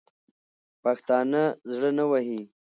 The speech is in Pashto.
پښتانه زړه نه وهي.